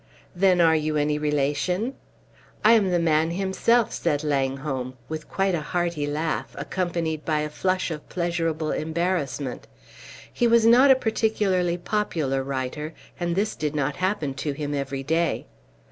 "Then are you any relation?" "I am the man himself," said Langholm, with quite a hearty laugh, accompanied by a flush of pleasurable embarrassment. He was not a particularly popular writer, and this did not happen to him every day.